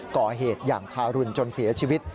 ก่อเหตุอย่างทารุณจนเสียชีวิต